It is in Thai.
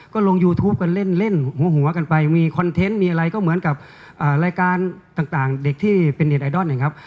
ก็ลงยูทูปกันเล่นหัวกันไปมีคอนเทนต์มีอะไรก็เหมือนกับรายการต่างเด็กที่เป็นเน็ตไอดอลนะครับ